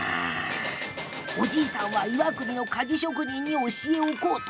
おじいさんは岩国の鍛冶職人に教えを請うた。